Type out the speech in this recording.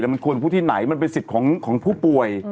มันควรพูดที่ไหนมันเป็นสิทธิ์ของผู้ป่วย